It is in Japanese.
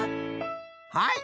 はい！